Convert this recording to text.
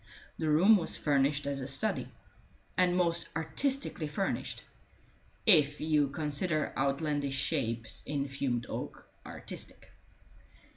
The room was furnished as a study, and most artistically furnished, if you consider outlandish shapes in fumed oak artistic.